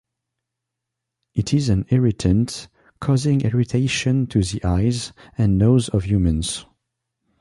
It is an irritant, causing irritation to the eyes and nose of humans.